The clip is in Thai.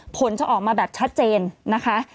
ผลจะออกมาแบบชัดเจนนะคะ